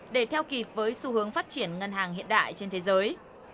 để theo kịp với xu hướng phát triển ngân hàng hiện đại trên thế giới